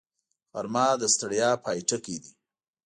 غرمه د ستړیا پای ټکی دی